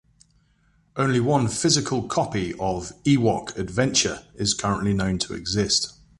Only one physical copy of "Ewok Adventure" is currently known to exist.